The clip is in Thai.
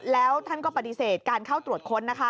แล้วท่านก็ปฏิเสธการเข้าตรวจค้นนะคะ